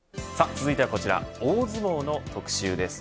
続いてはこちら大相撲の特集です。